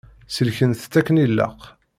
Sellkent-tt akken ilaq.